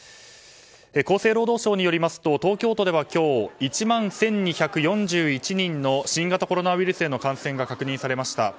厚生労働省によりますと東京都では今日、１万１２４１人の新型コロナウイルスへの感染が確認されました。